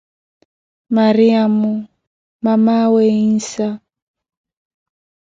Mariyamo, mamaawe Yinsa